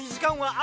あ。